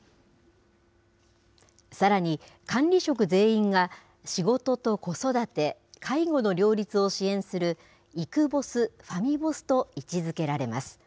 さらに管理職全員が仕事と子育て、介護の両立を支援する、イクボス・ファミボスと位置づけられます。